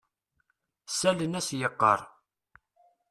Ssalen-as yeqqar.